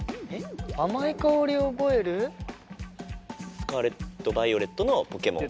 「スカーレット・バイオレット」のポケモン。